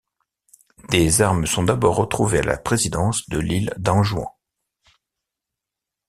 Des armes sont d'abord retrouvées à la présidence de l'île d'Anjouan.